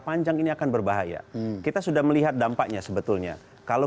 panjang ini akan berbahaya kita sudah melihat dampaknya sebetulnya kalau